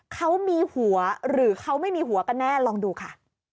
เขามีหัวหรือเขาไม่มีหัวกันแน่ลองดูค่ะ